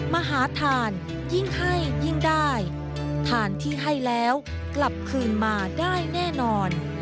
มหาทานยิ่งให้ยิ่งได้ทานที่ให้แล้วกลับคืนมาได้แน่นอน